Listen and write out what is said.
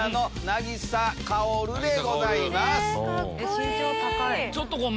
身長高い！